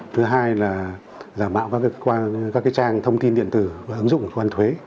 thứ hai là giả mạo các trang thông tin điện tử và ứng dụng của cộng đồng thuế